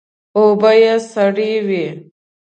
اوبه یې سړې وې.